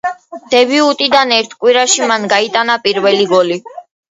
დებიუტიდან ერთ კვირაში მან გაიტანა პირველი გოლი.